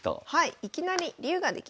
いきなり竜ができました。